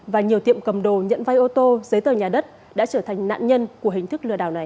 và nhiều tiệm cầm đồ nhận vay ô tô giấy tờ nhà đất đã trở thành nạn nhân của hình thức lừa đảo này